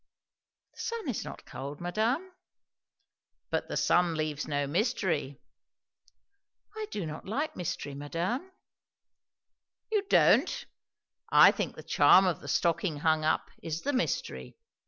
"The sun is not cold, madame." "But the sun leaves no mystery." "I do not like mystery, madame?" "You don't? I think the charm of the stocking hung up, is the mystery.